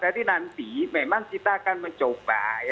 jadi nanti memang kita akan mencoba